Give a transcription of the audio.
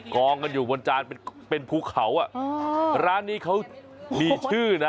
กองกันอยู่บนจานเป็นภูเขาอ่ะร้านนี้เขามีชื่อนะ